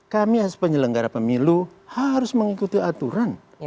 kami penyelenggara pemilu harus mengikuti aturan